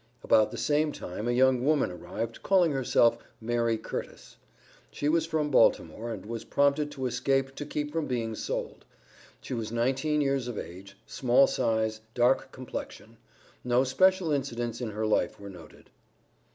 About the same time a young woman arrived, calling herself Mary Curtis. She was from Baltimore, and was prompted to escape to keep from being sold. She was nineteen years of age, small size, dark complexion. No special incidents in her life were noted.